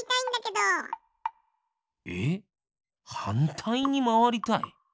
えっはんたいにまわりたい？